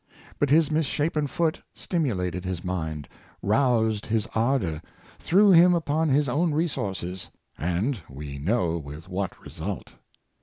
But his misshapen foot stimu lated his mind, roused his ardor, threw him upon his own resources — and we know with what result.